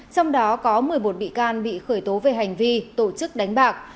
trong đó có một mươi một bị can bị khởi tố về hành vi tổ chức đánh bạc